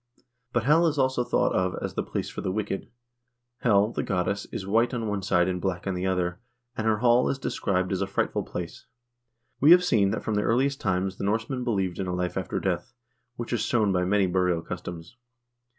But Hel is also thought of as the place for the wicked.2 Hel, the goddess, is white on one side and black on the other, and her hall is described as a frightful place. We have seen that from the earliest times the Norsemen believed in a life after death, which is shown by many burial customs.